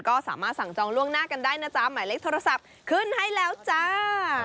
ก็สามารถสั่งจองล่วงหน้ากันได้นะจ๊ะหมายเลขโทรศัพท์ขึ้นให้แล้วจ้า